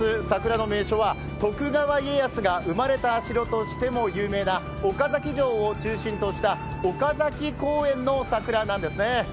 桜の名所は、徳川家康が生まれた城としても有名な岡崎城を中心とした岡崎公園の桜なんですね。